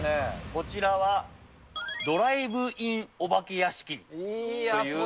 こちらは、ドライブインお化け屋敷という。